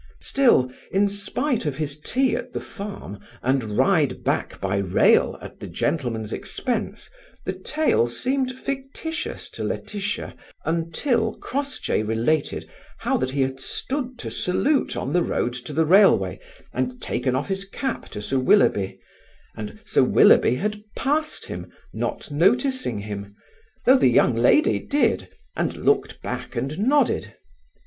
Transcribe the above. Still, in spite of his tea at the farm, and ride back by rail at the gentleman's expense, the tale seemed fictitious to Laetitia until Crossjay related how that he had stood to salute on the road to the railway, and taken off his cap to Sir Willoughby, and Sir Willoughby had passed him, not noticing him, though the young lady did, and looked back and nodded.